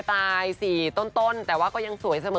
ตาย๔ต้นแต่ว่าก็ยังสวยเสมอ